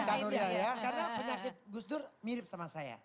karena penyakit gus dur mirip sama saya